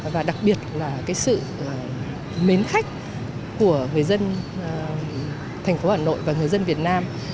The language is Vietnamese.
và đặc biệt là cái sự mến khách của người dân thành phố hà nội và người dân việt nam